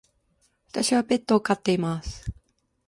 私はペットを飼っています。